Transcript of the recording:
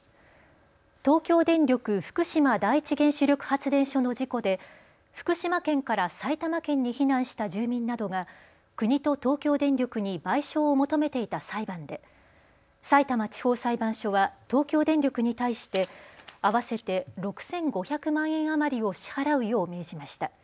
東京電力福島第一原子力発電所の事故で福島県から埼玉県に避難した住民などが国と東京電力に賠償を求めていた裁判でさいたま地方裁判所は東京電力に対して合わせて６５００万円余りを支払うよう命じました。